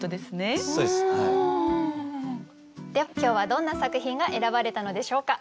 では今日はどんな作品が選ばれたのでしょうか？